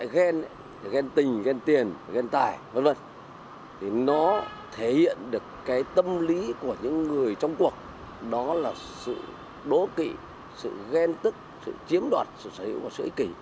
ghen tức sự chiếm đoạt sự sở hữu và sự ích kỷ